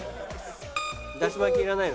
だし巻きいらないの？